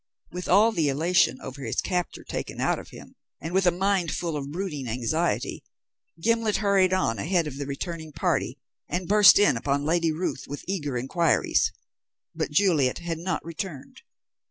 With all the elation over his capture taken out of him, and with a mind full of brooding anxiety, Gimblet hurried on ahead of the returning party, and burst in upon Lady Ruth with eager inquiries. But Juliet had not returned.